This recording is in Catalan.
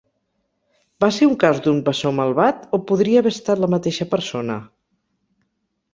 Va ser un cas d"un bessó malvat o podria haver estat la mateixa persona?